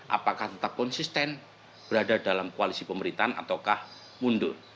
apakah tetap konsisten berada dalam koalisi pemerintahan ataukah mundur